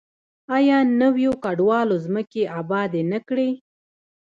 آیا نویو کډوالو ځمکې ابادې نه کړې؟